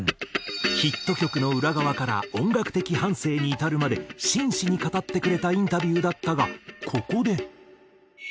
ヒット曲の裏側から音楽的半生にいたるまで真摯に語ってくれたインタビューだったがここで。